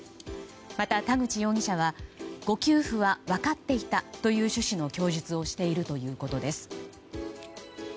また、田口容疑者は、誤給付は分かっていたという趣旨の供述をしているということです。